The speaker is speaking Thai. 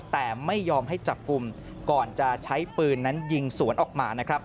แต่ไม่ยอมให้จับกลุ่มก่อนจะใช้ปืนนั้นยิงสวนออกมานะครับ